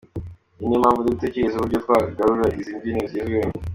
Ni yo mpamvu ndi gutekereza uburyo twagarura izi mbyino zigezweho”.